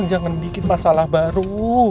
jangan bikin masalah baru